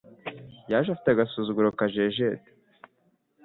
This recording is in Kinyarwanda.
yaje afite agasuzuguro kajejeta